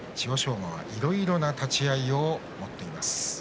馬はいろいろな立ち合いを持っています。